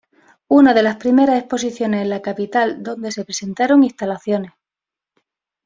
Una de las primeras exposiciones en la capital donde se presentaron instalaciones.